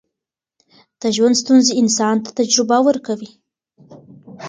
د ژوند ستونزې انسان ته تجربه ورکوي.